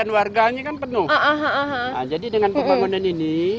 warganya kan penuh jadi dengan pembangunan ini